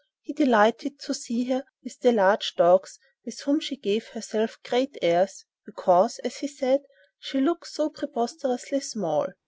He delighted to see her with the large dogs, with whom she gave herself great airs, "because," as he said, "she looks so preposterously small."